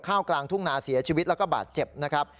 กลางทุ่งนาเสียชีวิตแล้วก็บาดเจ็บนะครับ